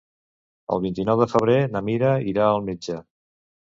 El vint-i-nou de febrer na Mira irà al metge.